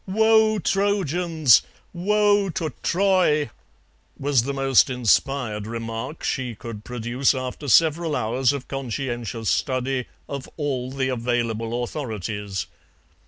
"Woe! Trojans, woe to Troy!" was the most inspired remark she could produce after several hours of conscientious study of all the available authorities.